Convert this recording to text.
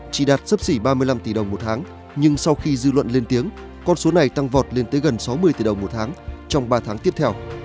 chỉ đạt sấp xỉ ba mươi năm tỷ đồng một tháng nhưng sau khi dư luận lên tiếng con số này tăng vọt lên tới gần sáu mươi tỷ đồng một tháng trong ba tháng tiếp theo